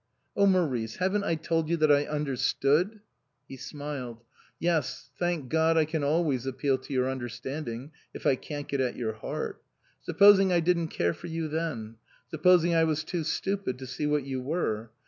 "Oh, Maurice! haven't I told you that I under stood?" He smiled. " Yes. Thank God I can always appeal to your understanding, if I can't get at your heart. Supposing I didn't care for you then ? Supposing I was too stupid to see what you were?